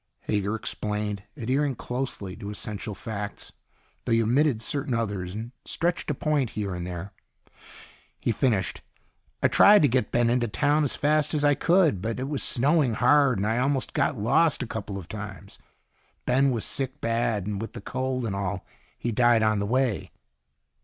Hager explained, adhering closely to essential facts, though he omitted certain others and stretched a point here and there. He finished, "I tried to get Ben into town as fast as I could, but it was snowing hard and I almost got lost a couple of times. Ben was sick bad, and with the cold and all, he died on the way."